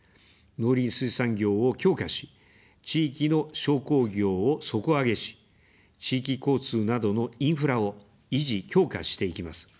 農林水産業を強化し、地域の商工業を底上げし、地域交通などのインフラを維持・強化していきます。